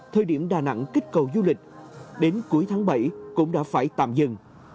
thời điểm đà nẵng kích cầu du lịch đến cuối tháng bảy cũng đã phải tạm dừng